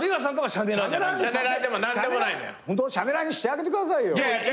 シャネラーにしてあげてくださいよ。